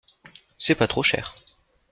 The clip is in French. C’est pas trop cher.